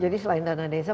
jadi selain dana desa